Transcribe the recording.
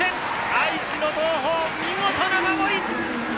愛知の東邦、見事な守り。